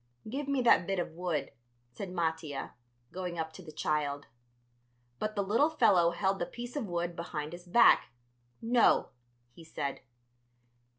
"Give me that bit of wood," said Mattia, going up to the child. But the little fellow held the piece of wood behind his back. "No," he said.